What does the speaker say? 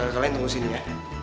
kalian tunggu sini ya